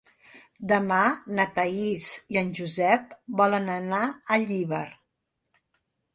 Demà na Thaís i en Josep volen anar a Llíber.